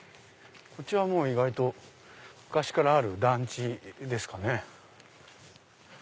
こっちは意外と昔からある団地ですかね。